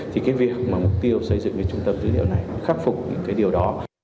thì cái việc mà mục tiêu xây dựng cái trung tâm dữ liệu này nó khắc phục những cái điều đó